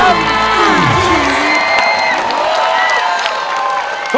อันนี้ครับ